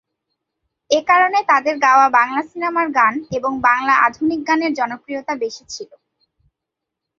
এ কারণে তাদের গাওয়া বাংলা সিনেমার গান এবং বাংলা আধুনিক গানের জনপ্রিয়তা বেশি ছিল।